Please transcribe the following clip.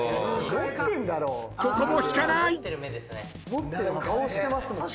ここも引かない！